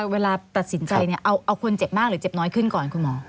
เวลาตัดสินใจเอาคนเจ็บมากหรือเจ็บน้อยขึ้นก่อนคุณหมอ